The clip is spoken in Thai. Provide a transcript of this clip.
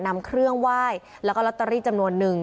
นำเครื่องไหว้แล้วก็ลอตเตอรี่จำนวนนึง